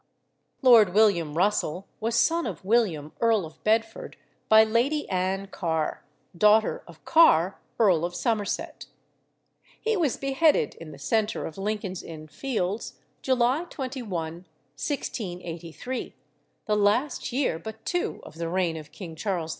Lord William Russell was son of William, Earl of Bedford, by Lady Ann Carr, daughter of Carr, Earl of Somerset. He was beheaded in the centre of Lincoln's Inn Fields, July 21, 1683, the last year but two of the reign of King Charles II.